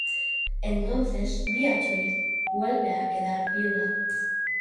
Entonces, Beatriz, vuelve a quedar Viuda.